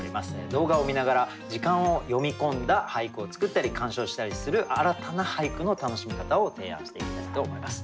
動画を観ながら時間を詠み込んだ俳句を作ったり鑑賞したりする新たな俳句の楽しみ方を提案していきたいと思います。